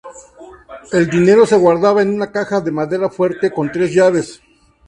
El dinero se guardaba en una "caja de madera fuerte" con tres llaves.